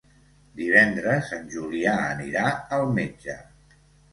Divendres en Julià anirà al metge.